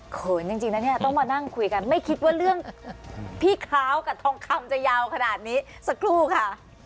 จริงนะเนี่ยต้องมานั่งคุยกันไม่คิดว่าเรื่องพี่ค้าวกับทองคำจะยาวขนาดนี้สักครู่ค่ะ